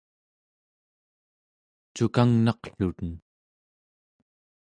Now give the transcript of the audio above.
cukangnaqluni